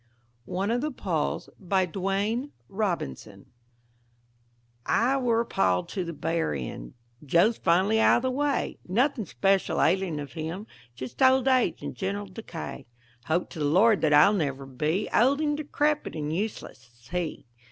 ONE OF THE PALLS BY DOANE ROBINSON I were a pall to the burrying, Joe's finally out of the way, Nothing 'special ailing of him, Just old age and gen'ral decay. Hope to the Lord that I'll never be Old and decrepit and useless as he.